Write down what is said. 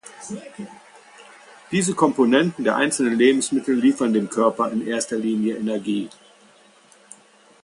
Diese Komponenten der einzelnen Lebensmittel liefern dem Körper in erster Linie Energie.